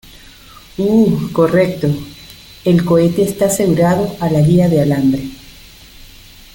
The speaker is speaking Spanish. Uh, correcto. El cohete esta asegurado a la guia de alambre .